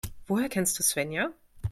Woher kennst du Svenja?